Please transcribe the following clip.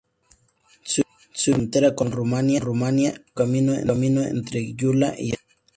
Se ubica en la frontera con Rumania, a medio camino entre Gyula y Arad.